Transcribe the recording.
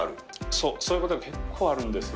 そう、そういうことが結構あるんですよ。